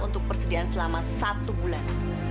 untuk persediaan selama satu bulan